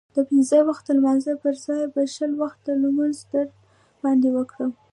د پنځه وخته لمانځه پرځای به شل وخته لمونځ در باندې وکړم.